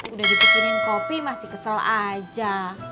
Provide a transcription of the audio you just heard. udah dipikirin kopi masih kesel aja